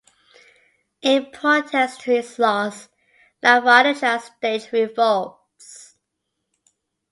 In protest to his loss, Lavalleja staged revolts.